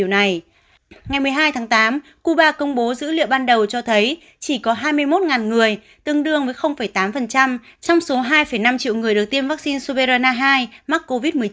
ngày một mươi hai tháng tám cuba công bố dữ liệu ban đầu cho thấy chỉ có hai mươi một người tương đương với tám trong số hai năm triệu người được tiêm vaccine suverna hai mắc covid một mươi chín